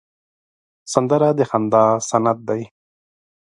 سندره د خندا سند دی